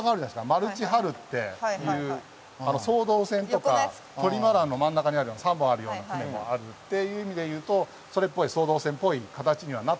マルチハルっていう双胴船とかトリマランの真ん中にある３本あるような船もあるっていう意味でいうとそれっぽい双胴船っぽい形にはなってます。